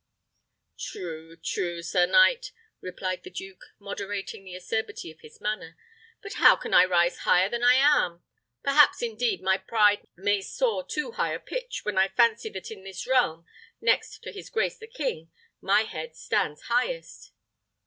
"True, true, sir knight," replied the duke, moderating the acerbity of his manner; "but how can I rise higher than I am? Perhaps, indeed, my pride may soar too high a pitch, when I fancy that in this realm, next to his grace the king, my head stands highest."